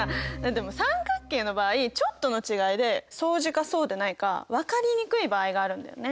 でも三角形の場合ちょっとの違いで相似かそうでないか分かりにくい場合があるんだよね。